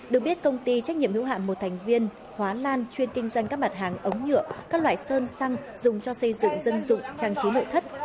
được biết công ty trách nhiệm hữu hạm một thành viên hóa lan chuyên kinh doanh các mặt hàng ống nhựa các loại sơn xăng dùng cho xây dựng dân dụng trang trí nội thất